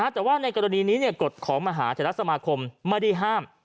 แต่ว่าในกรณีนี้กฎของมหาเทรสมาคมไม่ได้ห้าม